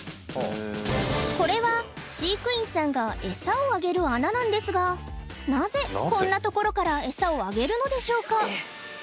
これは飼育員さんがエサをあげる穴なんですがなぜこんなところからエサをあげるのでしょうか？